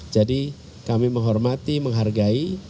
jadi kami menghormati menghargai